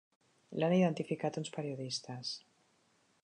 L'han identificat uns periodistes.